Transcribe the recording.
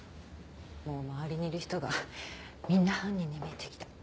もう周りにいる人がみんな犯人に見えてきた。